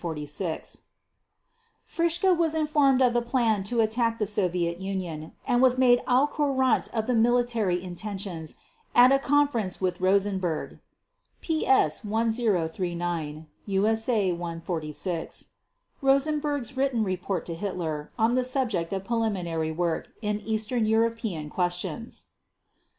Fritzsche was informed of the plan to attack the Soviet Union and was made au courant of the military intentions at a conference with Rosenberg (PS 1039, USA 146, "Rosenberg's Written Report to Hitler on the Subject of Preliminary Work in Eastern European Questions").